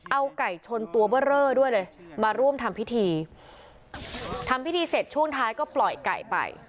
เอาไก่ชนตัวเบอร์เรอด้วยเลยมาร่วมทำพิธีทำพิธีเสร็จช่วงท้ายก็ปล่อยไก่ไป